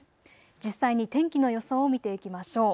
実際に天気の予想を見ていきましょう。